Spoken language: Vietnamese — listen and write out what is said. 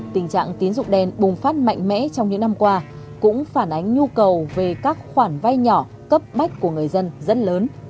tình trạng tín dụng đen bùng phát mạnh mẽ trong những năm qua cũng phản ánh nhu cầu về các khoản vay nhỏ cấp bách của người dân rất lớn